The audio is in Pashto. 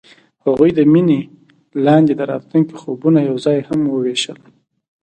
هغوی د مینه لاندې د راتلونکي خوبونه یوځای هم وویشل.